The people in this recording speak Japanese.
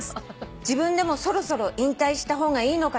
「自分でもそろそろ引退した方がいいのかと悩んでいます」